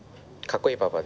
かっこいいパパ。